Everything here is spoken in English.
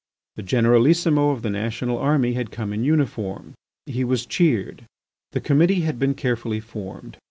The Generalissimo of the national army had come in uniform. He was cheered. The committee had been carefully formed.